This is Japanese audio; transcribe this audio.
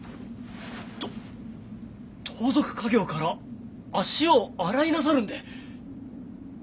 と盗賊稼業から足を洗いなさるんで？